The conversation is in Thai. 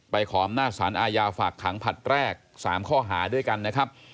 ขออำนาจสารอาญาฝากขังผลัดแรก๓ข้อหาด้วยกันนะครับ